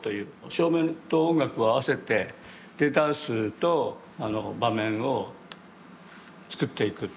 照明と音楽を合わせてでダンスと場面を作っていくという。